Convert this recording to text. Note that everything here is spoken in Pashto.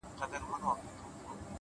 مثبت فکر د هیلو رڼا ساتي،